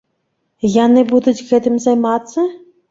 Яны будуць гэтым займацца?!